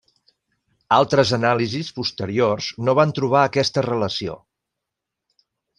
Altres anàlisis posteriors no van trobar aquesta relació.